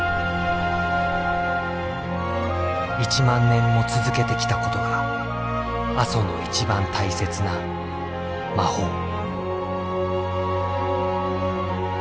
１万年も続けてきたことが阿蘇の一番大切な魔法。